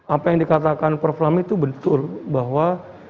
apa yang dikatakan prof lamy itu betul bahwa